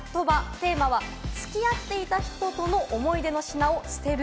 テーマはつき合っていた人との思い出の品を捨てる？